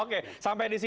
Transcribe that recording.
oke sampai di situ